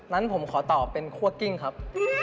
นั้นผมขอตอบเป็นคั่วกิ้งครับ